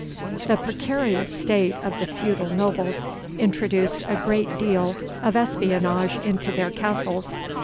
[The precarious state of the feudal nobles introduced a great deal of espionage into their castles.